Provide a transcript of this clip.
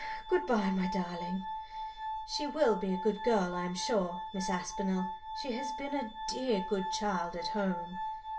Good bye, my darling. She will be a good girl, I am sure, Miss Aspinall; she has been a dear good child at home."